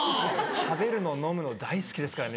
食べるの飲むの大好きですからね